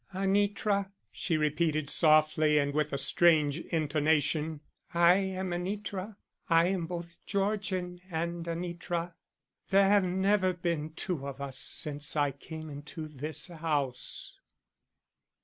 "Anitra?" she repeated softly and with a strange intonation. "I am Anitra. I am both Georgian and Anitra. There have never been two of us since I came into this house."